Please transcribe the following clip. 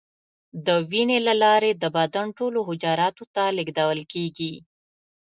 د وینې له لارې د بدن ټولو حجراتو ته لیږدول کېږي.